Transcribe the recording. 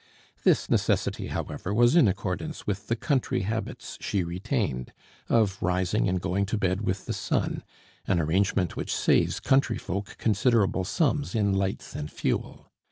This necessity, however, was in accordance with the country habits she retained, of rising and going to bed with the sun, an arrangement which saves country folk considerable sums in lights and fuel.